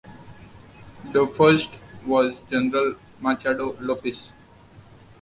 The first was General Machado Lopes.